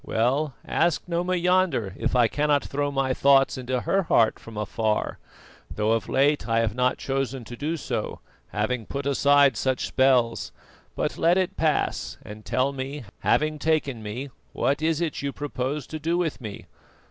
Well, ask Noma yonder if I cannot throw my thoughts into her heart from afar: though of late I have not chosen to do so, having put aside such spells. But let it pass, and tell me, having taken me, what is it you propose to do with me?